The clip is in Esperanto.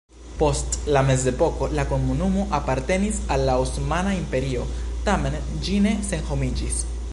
Post la mezepoko la komunumo apartenis al la Osmana Imperio, tamen ĝi ne senhomiĝis.